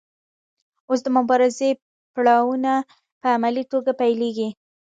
اوس د مبارزې پړاوونه په عملي توګه پیلیږي.